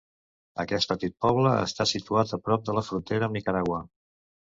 Aquest petit poble està situat a prop de la frontera amb Nicaragua.